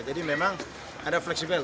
jadi memang ada fleksibel